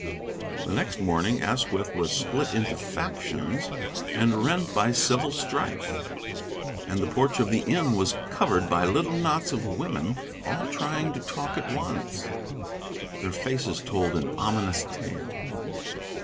The next morning Asquith was split into factions and rent by civil strife, and the porch of the inn was covered by little knots of women, all trying to talk at once; their faces told an ominous tale.